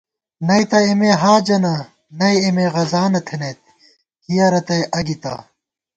نئ تہ اېمےحاجَنہ، نئ اېمےغزانہ تھنَئیت کِیَہ رتئ اگِتہ